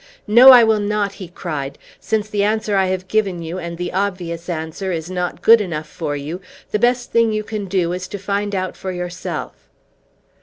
"No, I will not!" he cried. "Since the answer I have given you, and the obvious answer, is not good enough for you, the best thing you can do is to find out for yourself."